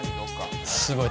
すごい！